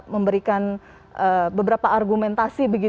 memberikan beberapa argumentasi